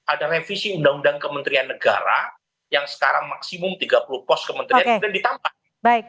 ada revisi undang undang kementerian negara yang sekarang maksimum tiga puluh pos kementerian kemudian ditambah